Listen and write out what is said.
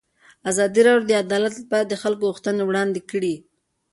ازادي راډیو د عدالت لپاره د خلکو غوښتنې وړاندې کړي.